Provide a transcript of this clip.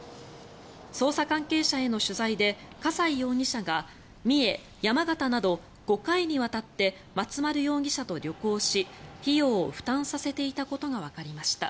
捜査関係者への取材で笠井容疑者が三重、山形など５回にわたって松丸容疑者と旅行し費用を負担させていたことがわかりました。